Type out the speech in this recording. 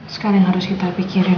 sekarang harus kita pikirin